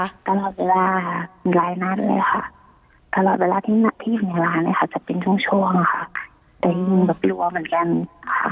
ตลอดเวลาหลายนัดเลยค่ะตลอดเวลาที่หนักที่อยู่ในร้านเลยค่ะจะเป็นช่วงช่วงค่ะเต็มแบบรัวเหมือนกันค่ะ